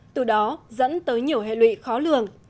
từ đó dẫn tới nhiều hệ lụy khó lường